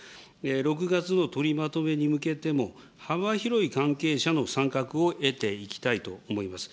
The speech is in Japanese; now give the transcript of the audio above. ６月の取りまとめに向けても、幅広い関係者の参画を得ていきたいと思います。